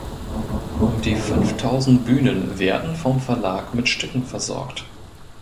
Um die fünftausend Bühnen werden vom Verlag mit Stücken versorgt.